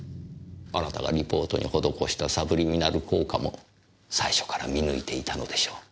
あなたがリポートに施したサブリミナル効果も最初から見抜いていたのでしょう。